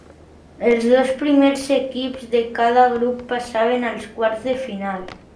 Els dos primers equips de cada grup passaven als quarts de final.